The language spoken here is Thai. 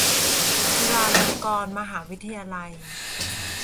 จุฬาลงกรณ์มหาวิทยาลัย